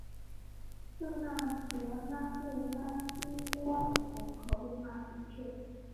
圣让德拉布拉基耶尔人口变化图示